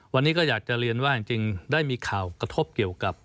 วันนี้ก็อยากจะเรียนว่าจริงได้มีข่าวกระทบเกี่ยวกับ